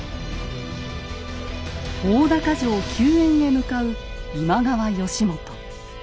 大高城救援へ向かう今川義元。